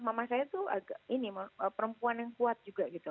mama saya tuh agak ini perempuan yang kuat juga gitu